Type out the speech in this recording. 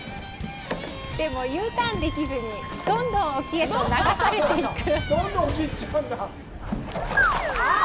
でも、Ｕターンできずにどんどん沖へと流されていくとあぁ！